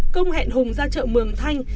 công hẹn hùng ra chợ mường thanh